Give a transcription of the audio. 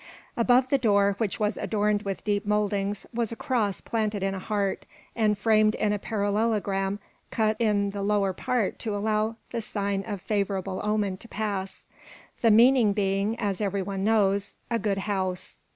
Above the door, which was adorned with deep mouldings, was a cross planted in a heart and framed in a parallelogram cut in the lower part to allow the sign of favourable omen to pass; the meaning being, as every one knows, "A good house."